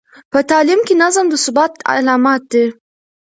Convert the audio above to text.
په تعلیم کې نظم د ثبات علامت دی.